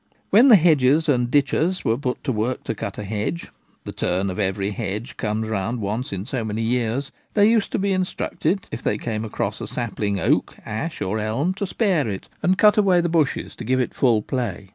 When the hedgers and ditchers were put to work to cut a hedge — the turn of every hedge comes round once in so many years — they used to be instructed, if they came across a sapling oak, ash, or elm, to spare it, and cut away the bushes to give it full play.